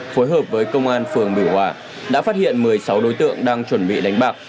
phối hợp với công an phường biểu hòa đã phát hiện một mươi sáu đối tượng đang chuẩn bị đánh bạc